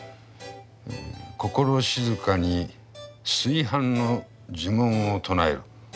心静かに炊飯の呪文を唱える。